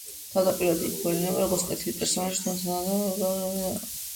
თავდაპირველად, იგი გვევლინება, როგორც კეთილი პერსონაჟი, თუმცა თანდათანობით გამოიკვეთება მისი სიბოროტე.